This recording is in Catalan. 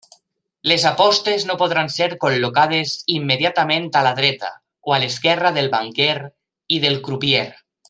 Les apostes no podran ser col·locades immediatament a la dreta o a l'esquerra del banquer i del crupier.